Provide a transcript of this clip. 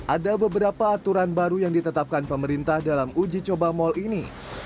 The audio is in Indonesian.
ada beberapa aturan baru yang ditetapkan pemerintah dalam uji coba mal ini